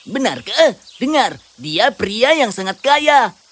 benarkah dengar dia pria yang sangat kaya